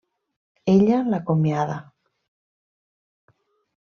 Ella l'acomiada.